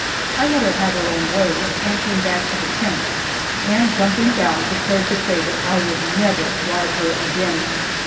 I let her have her own way and came back to the tent, and jumping down, declared to Faye that I would never ride her again.